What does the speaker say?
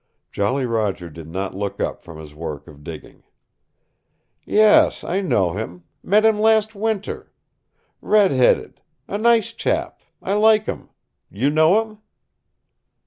Jolly Roger did not look up from his work of digging. "Yes, I know him. Met him last winter. Red headed. A nice chap. I like him. You know him?"